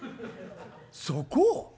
そこ！